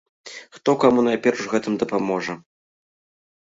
Хто каму найперш у гэтым дапаможа?